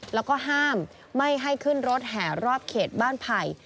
แล้วก็ห้ามไม่ให้ขึ้นรถแห่รอบเขตบ้านไผ่